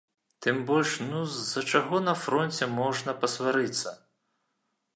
Тым больш, ну, з-за чаго на фронце можна пасварыцца?!